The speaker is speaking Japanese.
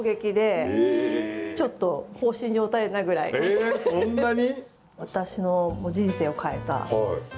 ええ、そんなに？